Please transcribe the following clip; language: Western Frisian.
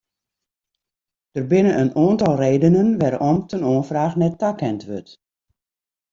Der binne in oantal redenen wêrom't in oanfraach net takend wurdt.